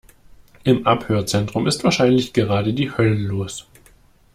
Im Abhörzentrum ist wahrscheinlich gerade die Hölle los.